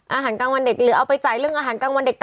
อาหารกลางวันเด็กหรือเอาไปจ่ายเรื่องอาหารกลางวันเด็ก